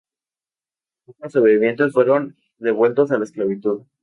Otros sobrevivientes fueron devueltos a la esclavitud.